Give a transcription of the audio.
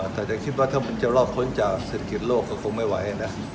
แต่จะคิดว่ามันจะรอบขวดจากศิลปิดโรคก็คงไม่ไหว